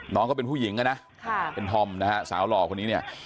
น้องเขาเป็นผู้หญิงนะเป็นธอมนะฮะสาวหล่อคนนี้เนี่ย